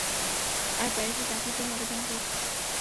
আর প্যারিসে চাকরির জন্য আবেদন করেছি।